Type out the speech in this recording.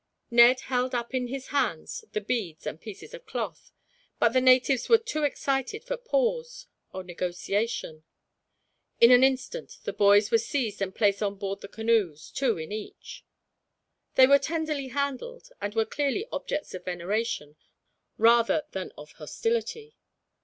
Ned held up in his hands the beads and pieces of cloth. But the natives were too excited for pause or negotiation. In an instant the boys were seized and placed on board the canoes, two in each. They were tenderly handled, and were clearly objects of veneration rather than of hostility.